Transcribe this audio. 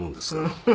「フフフフ」